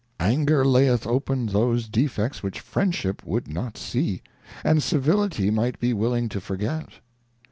Anger laieth open those Defects which Friendship vcould not see, and Civility might be willing to forget.